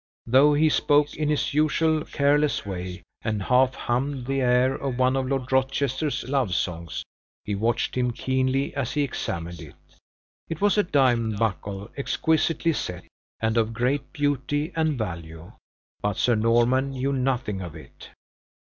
Though he spoke in his usual careless way, and half hummed the air of one of Lord Rochester's love songs, he watched him keenly as he examined it. It was a diamond buckle, exquisitely set, and of great beauty and value; but Sir Norman knew nothing of it.